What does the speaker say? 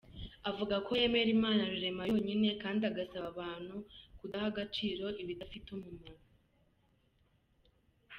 Avuga ko yemera Imana Rurema yonyine, kandi agasaba abantu kudaha agaciro ibidafite umumaro.